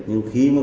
như thế nào